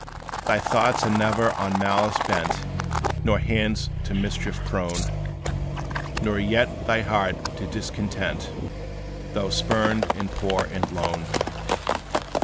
Thy thoughts are ne'er on malice bent Nor hands to mischief prone; Nor yet thy heart to discontent; Though spurned, and poor and lone.